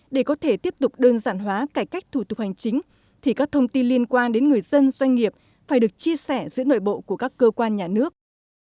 để có thể tiếp tục đơn giản hóa cải cách thủ tục hành chính thì các thông tin liên quan đến người dân doanh nghiệp phải được chia sẻ giữa nội bộ của các cơ quan nhà nước